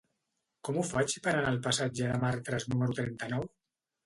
Com ho faig per anar al passatge de Martras número trenta-nou?